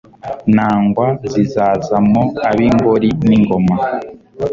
Nangwa zizaza mwo ab'ingori n'ingoma,